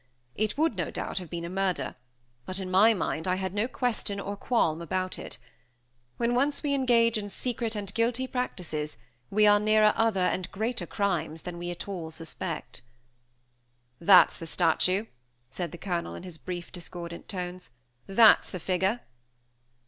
It would, no doubt, have been a murder; but, in my mind, I had no question or qualm about it. When once we engage in secret and guilty practices we are nearer other and greater crimes than we at all suspect. "There's the statue," said the Colonel, in his brief discordant tones. "That's the figure."